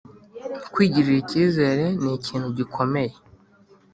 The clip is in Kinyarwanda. kwigirira ikizere ni ikintu gikomeye